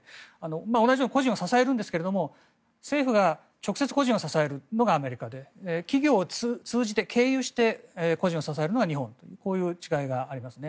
同じように個人を支えるんですが政府が直接個人を支えるのがアメリカで企業を通じて、経由して個人を支えるのが日本というこういう違いがありますね。